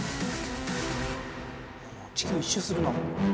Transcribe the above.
地球一周するな。